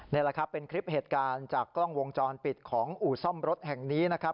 นี่แหละครับเป็นคลิปเหตุการณ์จากกล้องวงจรปิดของอู่ซ่อมรถแห่งนี้นะครับ